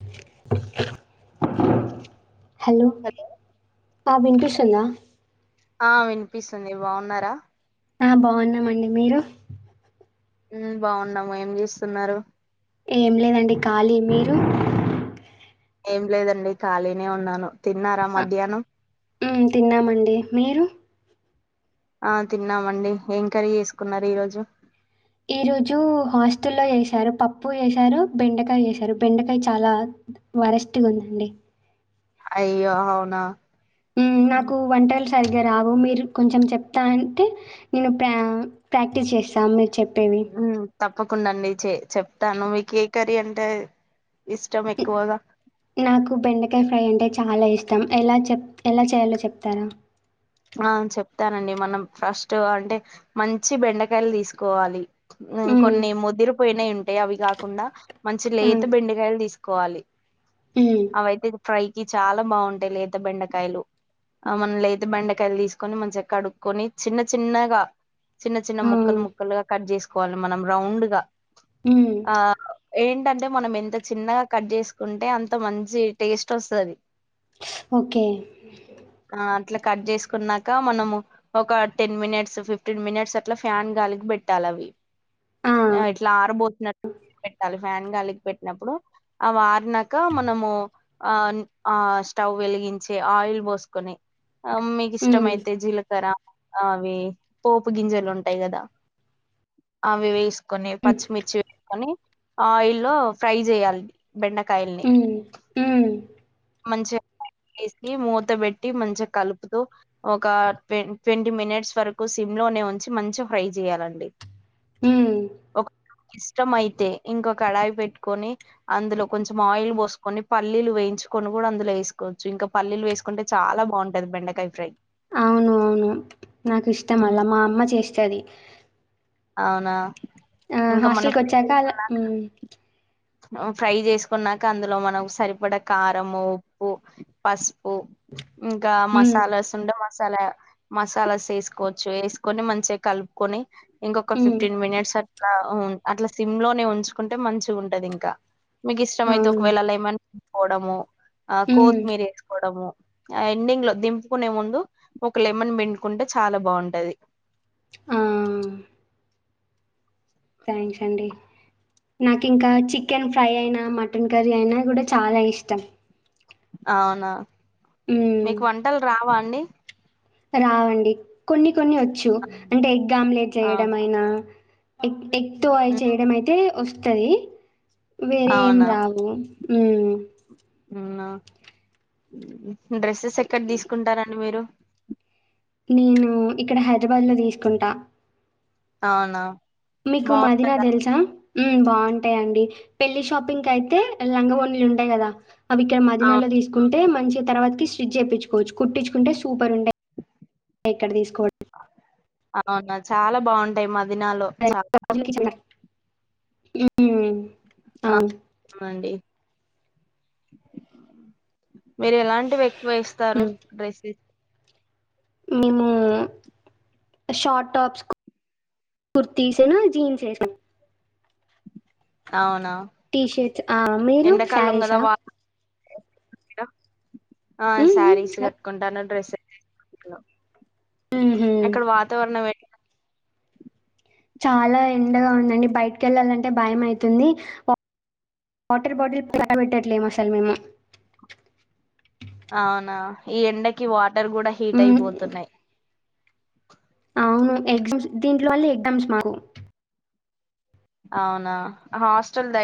[inaudible] Hello ఆ విన్పింశాలా ఆ వినిపిస్ ఆ బాగున్నామండి మీరు ఉహ్మ్ బాగున్డాము ఏం చేస్తున్నారు. ఏం లేదండి ఖాళీ మీరు ఏం లేదండి ఖాళీనే ఉన్నాను. తిన్నారా మధ్యాహ్నం ఉహ్మ్ తిన్నామండి మీరు ఆ తిన్నామండి ఏం కర్రీ చేసుకున్నారు. ఈరోజు ఈ రోజు హాస్టల్లో చేశారు. పప్పు చేశారు, బెండకాయ చేశారు, బెండకాయ చాలా వరస్ట్గా ఉందండి. అయ్యో హావునా ఉహ్మ్ నాకు వంటలు సరిగ్ గ్గరావు మీరు కొంచెం చెప్తా అంటే. నేను ప్ర ప్రాక్టీస్ చేస్తా. మీరు చెప్ టేవి ప్పకుండా అండి చే చెప్తాను. మీకే కర్రీ అంటే ఇష్టం ఎక్కువగా నాకు బెండకాయ ఫ్రై అంటే చాలా ఇష్టం. ఎలా చెప్ ఎలా చేయాలో చెప్తారా. ఆ చెప్తానండి. మనం ఫస్ట్ అంటే మంచి బెండకాయలు తీసుకోవాలి. ఉహ్ మ్, కొన్ని ముదిరిపోయినాయ్. ఉన్ టే అవి గాక్ మంచి ఆ, లేత బెండకాయలు తీసుక్ కోవాలి మ్, అవాయితే ఇది ఫ్రై ఈ చాలా బాగుంటయ్ లేత బెండకాయలు. ఆ మన్ లేత బెండ్ కాయలు తీసుకొని, మంచిగా కడుక్కొని, చిన్న చిన్నగా, చిన్న చిన్న ఆ, ముక్కలు ముక్కలుగా కట్ చేసుకోవాలి మనం రౌండ్ గా. ఉమ్ ఆ ఏంటంటే మనం ఎంత చిన్నగా కట్ చేసుకుంటే అంత మంచి టేస్ట్ వస్తది. ఓకే ఆ అట్లా కట్ చేస్ కున్నాక. మనము ఒక ఆ! హ్మ్. ఇష్టమయితే. జీలకర్ర అవి పోపు గింజలు ఉంటాయి కదా. అవి వేస్ కొన్నీ హ్మ్. పచ్చిమిర్చి వేసుకొని ఆయిల్ల్లో ఫ్రై జెయాలిది. బెండకాయల్ని. హ్మ్. హ్మ్. మంచిగ ఆయిల్ ఏసి, మూతబెట్టి మంచిగ కలుపుతూ, ఒక ట్వన్ ట్వంటీ మినిట్స్ వరకు సిమ్ లోనే ఉంచి, మంచిగా ఫ్రై చేయాలండి. ఉమ్ ఒక ఇష్టం అయితే ఇంకొ కడాయి పెట్టుకొని, అందులో కొంచం ఆయిల్ పోసుకొని, పల్లీలు వేయించు కొను కూడా అందులో ఏసుకోవచ్చు. ఇంకా పల్లీలు వేసుకుంటే, చాలా బాగుంటది బెండకాయ ఫ్రై. అవును, నాకు ఇష్టం హ్మ్. అలా. మా అమ్మ చేస్తది. అవునా ఆ, ఇంకా మన హాస్టల్కి వచ్చాక అదే, ఉమ్ ఫ్రై చేసుకున్నాక, అందులో మనకు సరిపడ క్ కారం, ఉప్పు, పసుప్ పు ఇంకా, హ్మ్. మసాలాస్ ఉంటె మా సాలా, మసాలాస్ ఏసుకోవచ్చు. ఏసుకొని మంచిగ కలుపుకొని ఇంకొక హ్మ్. ఫిఫ్టీన్ మినిట్స్ అట్ ఆ అట్లా సిమ్ లోనే ఉంచుకుంటే, మంచిగుంటది ఇంకా. మీకు ఇష్టమైతే అవును. ఒకవేళ లేమన్ కోడము ఆ హ్మ్. కోత్ మీర ఏసుకోవడము. ఆ ఎండింగ్ లో దింపుకునే ముందు, ఒక లెమన్ బిండుకుంటే చాలా బాగుంటది. ఆ నాకింకా చికెన్ ఫ్రై అయినా, మటన్ కర్రీ అయినా కూడ చాలా ఇష్టం. అవునా? హ్మ్. మీకు వంటలు రావాన్ అండి? రావండి, కొన్ని కొన్ని ఒచ్చు అంటే, ఎగ్గామ్లెట్ చేయడం అవునా అయినా. టింగ్లు ఎగ్ తో అయి చేయడం అయితే, వస్తు టది వేరే ఏం అవునా రావు. హ్మ్ ఉమ్ నా డ్రెస్సెస్ ఎక్కడ తీసుకుంటారండి మీరు? నేను, ఇక్కడ హైదరాబాద్ లో తీసుకుంటా. అవునా? మీకు మదినా బాగుంటదా తెల్సా? ఉమ్ బాగుంటయండి, పెళ్లి షాపింగ్ కయితే లంగా వోణీలు ఉంటయి కదా? అవి ఇక్కడ అవు మదీనాలో తీసుకుం మంచిగ్ తర్వాతికి స్టిజ్ చేయించుకోవచ్చు కుట్టించుకుంటే సూప రుండే ఇక్కడ తీసుకో అవునా చాలా బాగుంటాయి మ [inaudible] హమ్ ఆ నండి మీరు ఎలాంటివి ఎక్కువేస్తారు హ్మ్. డ్రెసిస్ మేము షార్ట్ టాప్స్ కుర్తీస్ జీన్స్ వేస్తాం అవునా టీషర్ట్స్ ఆ మీరు ఎండాకాలం కదా శారీసా వా [unintelligible] ఆ హుహు. శారీస్ కట్టుకుంటాను డ్రస్ [unintelligible] హుహు. అక్కడ వాతావరణం ఎ చాలా ఎండగా ఉందండి బయట్‌కి ఎళ్లాలంటే భయం అయితుంది వాటిర్ బాటిల్ పక్కన పెట్టట్లేమ్ అసలు మేము అవునా ఈ ఎండకి వా టర్ కూడా హీట్ మ్మ్ అయిపోతున్నాయ్ అవును ఎగ్జామ్స్ దీంట్లో మళ్ళీ ఎగ్జామ్స్ మాకు అవునా హాస్టల్ ద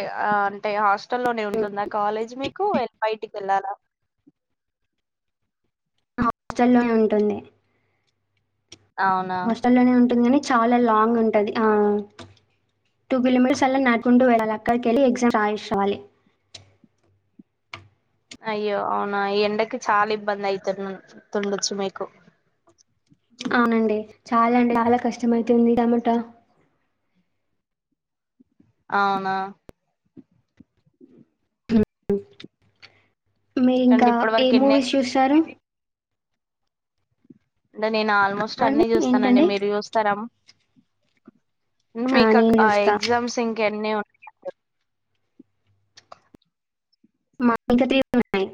అంటే హా లోనే ఉంటుంది ఆ కాలేజ్ మీకు [unintelligible] వెల్లాల హాస్టల్లోనే ఉంటుంది అవునా హాస్టల్లోనే ఉంటుందని చాలా లాంగ్ ఉంటది ఆ టూ కిలోమీటర్స్ అలా నడ్కుంటూ వెల్లాల అక్కడికి వెళ్ళి ఎగ్జామ్ రాలి అయ్యో అవునా ఈ ఎండకి చాల్‌ ఇబ్బంది అయితు తుండచ్చు మీకు అవునండి చాల అండి చాల కష్టం అయితుంది టమటా అవున ఉ హు మీరి ఇంక ఎందుకండి ఇప్పటి ఏ వరకు ఎన్ని మూవీస్ చూస్తారు అయిపోయినయి? అంటే నేను ఆల్మోస్ట్ ఆ అండి అన్ని జూస్తానండి ఏంటండి మీరు చూస్తారమ్ మీక్కాక్ నేను ఆ చూస్తా ఎగ్జామ్స్ ఇంక ఎన్ని ఉ మా ఇంకా త్రీ ఉన్నయ్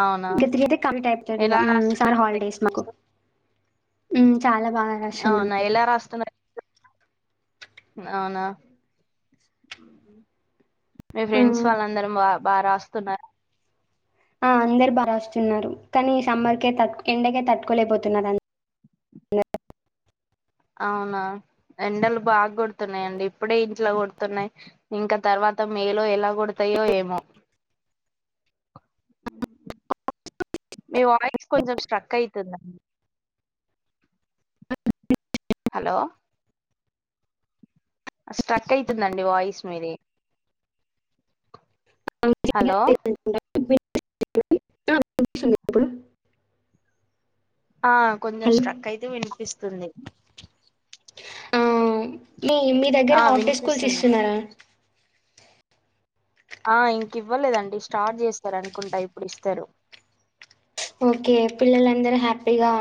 అవునా ఇక త్రీ అయితే కంప్లీట్ అయిపోతాది ఇక ఎలా సమ్మర్ రాస్తున్నారు మరి హాలిడేస్ మాకు మ్ అవున ఎలా రాస్తున్నారు అవున మీ ఆ! ఫ్రెండ్స్ వాళ్ళందరం బా బారాస్తున్నారు ఆ అందరు బారాస్తున్నారు కానీ సమ్మర్కే త ఎండకే తట్టుకోలేకపోతున్నారు అవునా ఎండలు బాగా గొడుతున్నాయిండి ఇప్పుడే ఇంట్లో కొడుతున్నాయి ఇంక తర్వాత మేలో ఎలా కొడతాయో ఏమో మీ వాయిస్ కొంచెం స్ట్రక్ అయితుందండి హలో స్ట్రక్ అయితుందండి వాయిస్ మీ ది హలో టు వచ్చింటప్పుడు ఆ కొంచెం స్ట్రక్ అయితె వినిపిస్తుంది ఆ! మీ మీ దగ్గర ఆ హాఫ్ డే స్కూల్స్ వినిపిస్తుంది ఇస్తున్నారా ఆ ఇంక ఇవ్వలేదండి స్టార్ట్ చేస్తారనుకుంటా ఇప్పుడు ఇస్తారు ఓకే పిల్లలందరూ హ్యాపీ ప్పిగా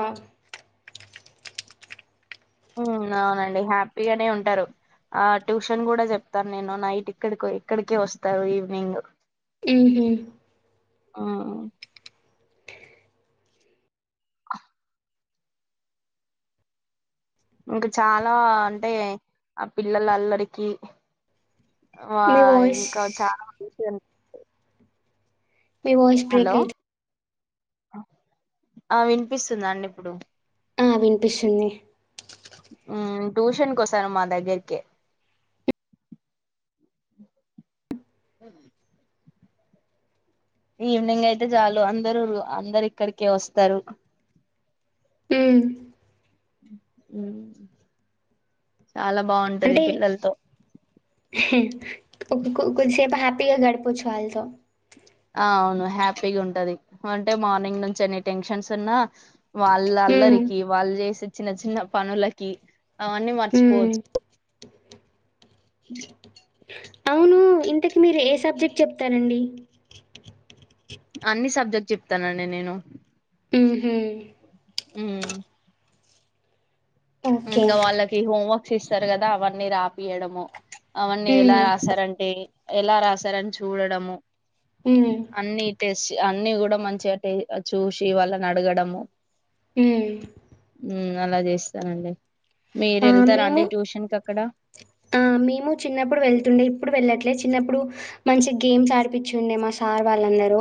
అవునండి హ్యాపీగానే ఉంటారు ఆ ట్యూషన్ కూడ చెప్తాను నేను నైట్ ఇక్కడి ఇక్కడికె వస్తారు ఈవినింగ్ ఊహు ఆ ఇంక చాలా అంటే ఆ పిల్లల అల్లరికి వ మీ వాయిస్ ఇంక చాలా మంచి మీ వాయిస్ బ్రేక్ హలో ఆ వినిపిస్తుందండి ఆ వినిపిిస్తుంది. ఉమ్ ట్యూషన్ కోసారమా దగ్గరికిే అ ఈవినింగ్ అయితే చాలు అందరు అందరు ఇక్కడికే వస్తారు హు ఉ చాలా బాగుంటది అంటే పిల్లలతో కొ కొద్దిసేపు హ్యాపీగా గడుపొచ్చు వాళ్ళతో అ అవును హ్యాపీగా ఉంటది అంటే మార్నింగ్ నుంచి ఎన్ని టెన్షన్స్ ఉన్నా వాళ్ళ హ్మ్. అల్లరికి వాళ్ళు చేసి చిన్న చిన్న పనులకి అవన్నీ హ్మ్. మర్చిపోవచ్చు అవును ఇంతకి మీర్ ఏ సబ్జెక్ట్ చెప్తారండి అన్ని సబ్జెక్ట్ చెప్తానండి నేను మ్ హు అ హు మ్ నిన్ ఓకే. గా వాళ్ళకి హోం వర్క్ క్షిస్తారు కదా అవన్నీ రాపియడము అవన్నీ ఎలా హ్మ్. రాశారంటే ఎలా రాశారని చూడడము హు న్నిీ టెస్ట్ అన్నిీ కూడా మంచిగా టే చూసి వాళ్ళ నడగడము హు హు అలా జేస్ స్తానండి మీరు ఆ! వెళ్తార అండి మేము ట్యూషన్ క క్కడ ఆ మేము చిన్నప్పుడు వెళ్తుండే ఇప్పుడు వెళ్ళట్లే చిన్నప్పుడు మంచి గేమ్స్ ఆడిపిచ్చుండే మా సార్ వాళ్ళందరూ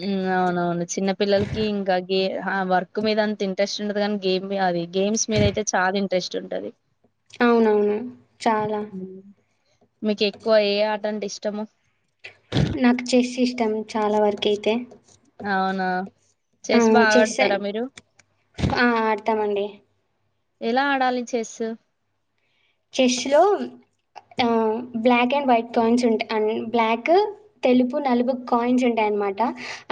హు అవునవును చిన్న పిల్లలకి ఇంకా కీ ఆ వర్క్ మీద అంత ఇంట్రెస్ట్ ఉండదు కానీ గేమ్ మీ అది గేమ్స్ మీద అయితే చాల ఇన్ ట్రేస్ట్ ఉంటది అవునవును చాలా టం ఇష్టము కీతే అవునా చ్చేస్ చెస్ బాగాడతారా మీరు ఆ! ఆడతామండి. ఎలా ఆడాలి చెస్సు చెస్ లో ఆ బ్లాక్ అండ్ వైట్ కాయిన్స్ ఉంటా అం బ్లాక్ తెలుపు నలుగు కాయిన్స్ ఉంటాయన్నమాట్ ట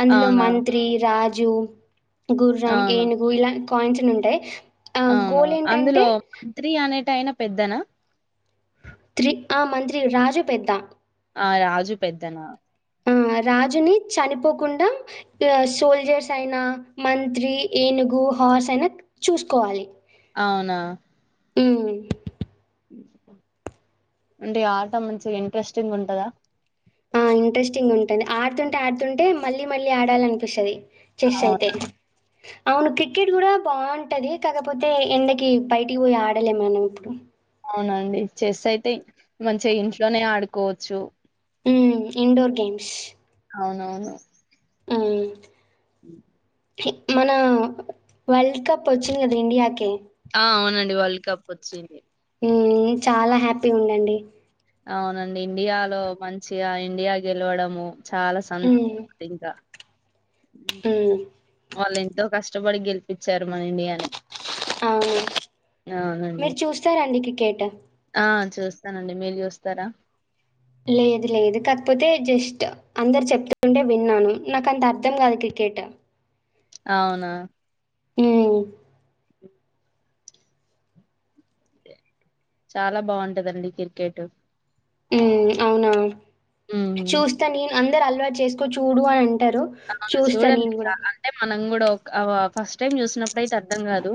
అందులో అవునా మంత్రి రాజ్ జు గుర్రం అవును ఏనుగు ఇలా కాయిన్స్ ఉంటాయి ఆ అవును గోల్ ఏంటంటే అందులో మంత్రి అనే మీ అయిన పెద్దనా త్రి ఆ మంత్రి రాజు పెద్ద ఆ రాజు పెద్దనా ఆ రాజుని చనిపోకుండా ఆ సోల్జర్స్ అయినా మంత్రి ఏనుగు హార్స్ అయినా చూసుకోవాలి అవునా హు అంటే ఆట మంచిగ ఇంట్రెస్టింగా ఉంటదా ఆ ఇంట్రెస్టింగ్ ఉంటది ఆడుతుంటే ఆడుతుంటే మళ్ళీ మళ్ళీ ఆడాలి అనిపిస్తది చేస్స్ అవును అయితే అవును క్రికెట్ కూడా బాగుంటది కాకపోతే ఎండకి బయటికి పోయి ఆడలేం మనం ఇప్పుడు అవునండి చెస్ అయితే మంచిగా ఇంట్లోనే ఆడుకోవచ్చు మ్ ఇండోర్ గేమ్స్ అవునవును మ్ మ్ మన వరల్డ్ కప్ వచ్చింది కదా ఇండియాకి ఆ అవునం వరల్డ్ కప్ వచ్చింది మ్ చాలా హ్యాపీ ఉందండి అవునండి ఇండియాలో మంచిగా ఇండియా గెలవడము చాలా సంతో హ్మ్. ఇంకా హ్మ్. వాళ్లేంతో కష్ ష్టపడి గెలిపించారు మన ఇండియాని అవును అవునండి. మీరు చూస్తారండి క్రిక్ కేట్ ఆ చూస్తానండి మీరు చూస్తారా లేదు లేదు కాకపోతే జస్ట్ అందరు చెప్తుంటే విన్నాను, నాకు అంత అర్థం కాదు క్రికెట్ అవునా అ చాలా బాగుంటదండి క్రికెట్ ఉ అవునా హ్మ్. చూస్తా నేను అం ఇద్దరు అల్వాట్ చేసుకో చూడు అని అం అవునా చూడండి అంటే మనం కూడా అ ఫస్ట్ టైం చూస్తున్నాప్ అప్పుడైతే అర్థం కాదు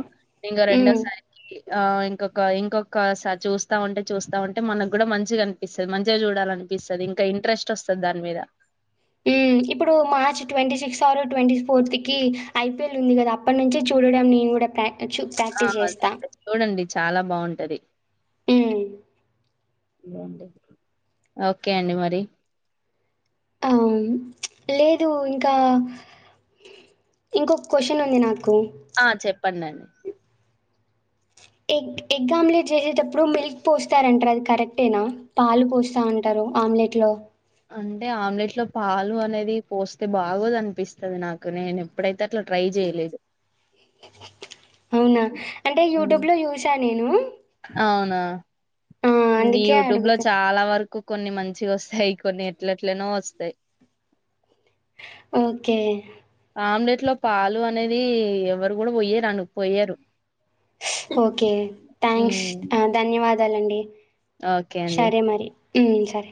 ఇంకా హ్మ్. రెండోసారి కి ఆ ఇంకొక ఇంకొక సరి చూస్తా ఉంటే చూస్తా ఉంటే మనకు కూడా మంచిగా అనిపిస్తుంది మంచిగా చూడాల అనిపిస్తుంది ఇంకా ఇంట్రెస్ట్ వస్తుంది దాని మీద ఇప్పుడు March twenty six or twenty fourth కి ఐపీఎల్ ఉంది కదా అప్పటి నుంచి చూడడం నేను కూడా ప్ర అచూ ఆ ప్రాక్టీస్ అదే జేస్తా అండి చూడండి చాలా బాగుంటది అ ఓకే అండి మరి ఆ లేదు ఇంకా ఇంకొక క్వశ్చన్ ఉంది నాకు ఆ చెప్పండిండి ఎగ్ ఎగ్ ఆమ్లెట్ చేసేటప్పుడు మిల్క్ పోస్తారంటారు అది కరెక్టేనా పాలు పోస్తా అంటారు ఆమ్లెట్ లో అంటే ఆమ్లెట్ లో పాలు అనేది పోస్తే బాగోదు అనిపిస్తుంది నాకు నేను ఎప్పుడైతే అట్లా ట్రై చేయలేదు అవునా అంటే హ్మ్. యూట్యూబ్ లో యూ నేను అవునా ఆ! నీ అందుకే యూట్యూబ్ లో అడుగుతా. చాలా వరకు కొన్ని మంచిగా వస్తాయి కొన్ని ఎట్లెట్లనో వస్తాయి ఓకే ఆమ్లెట్ లో పాలు అనేది ఎవరు కూడా పొయ్యరు అను పొయ్యరు ఓకే థ్యాంక్స్ అ ధన్యవాద దాలండి ఓకే అండి ఉమ్ సరే